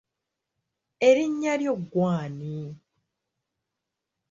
Erinnya lyo ggwe ani?